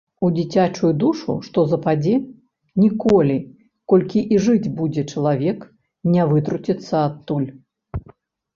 У дзіцячую душу што западзе, ніколі, колькі і жыць будзе чалавек, не вытруціцца адтуль.